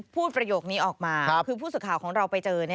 ประโยคนี้ออกมาคือผู้สื่อข่าวของเราไปเจอ